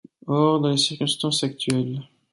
Or, dans les circonstances actuelles…